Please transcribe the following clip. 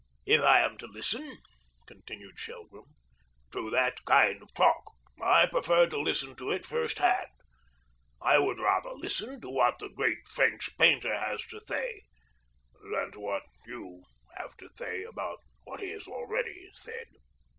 "If I am to listen," continued Shelgrim, "to that kind of talk, I prefer to listen to it first hand. I would rather listen to what the great French painter has to say, than to what YOU have to say about what he has already said."